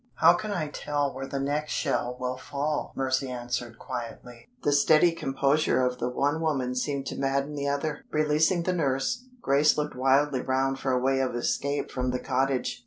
"How can I tell where the next shell will fall?" Mercy answered, quietly. The steady composure of the one woman seemed to madden the other. Releasing the nurse, Grace looked wildly round for a way of escape from the cottage.